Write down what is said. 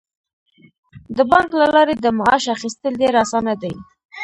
د بانک له لارې د معاش اخیستل ډیر اسانه دي.